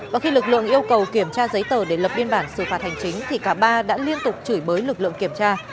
và khi lực lượng yêu cầu kiểm tra giấy tờ để lập biên bản xử phạt hành chính thì cả ba đã liên tục chửi bới lực lượng kiểm tra